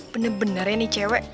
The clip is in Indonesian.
bener bener ini cewek